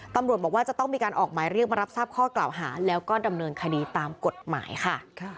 ตำรวจบอกว่าจะต้องมีการออกหมายเรียกมารับทราบข้อกล่าวหาแล้วก็ดำเนินคดีตามกฎหมายค่ะ